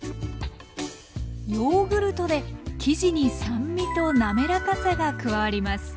ヨーグルトで生地に酸味と滑らかさが加わります。